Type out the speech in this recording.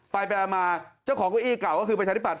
ไปมาเจ้าของเก้าอี้เก่าก็คือประชาธิปัต